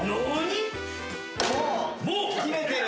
もう切れてる。